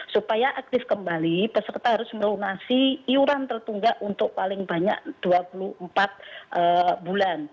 supaya aktif kembali peserta harus melunasi iuran tertunggak untuk paling banyak dua puluh empat bulan